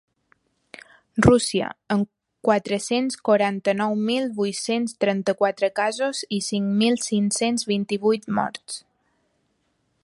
Rússia, amb quatre-cents quaranta-nou mil vuit-cents trenta-quatre casos i cinc mil cinc-cents vint-i-vuit morts.